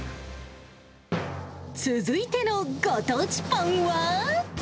続いてのご当地パンは。